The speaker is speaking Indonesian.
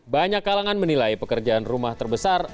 banyak kalangan menilai pekerjaan rumah terbesar